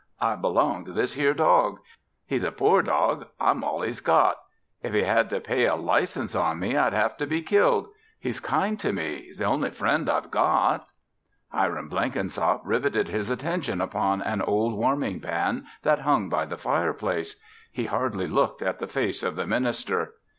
I belong to this 'ere dog. He's a poor dog. I'm all he's got. If he had to pay a license on me I'd have to be killed. He's kind to me. He's the only friend I've got." Hiram Blenkinsop riveted his attention upon an old warming pan that hung by the fireplace. He hardly looked at the face of the minister.